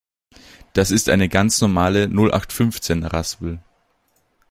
Das ist eine ganz normale Nullachtfünfzehn-Raspel.